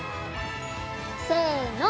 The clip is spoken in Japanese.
せの！